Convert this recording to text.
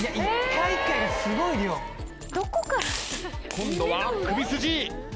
今度は首筋。